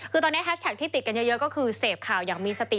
คือตอนนี้แฮชแท็กที่ติดกันเยอะก็คือเสพข่าวอย่างมีสติ